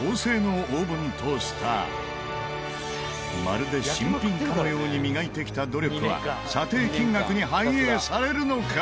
まるで新品かのように磨いてきた努力は査定金額に反映されるのか？